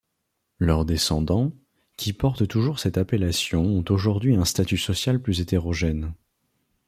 Leurs descendants, qui portent toujours cette appellation, ont aujourd'hui un statut social plus hétérogène.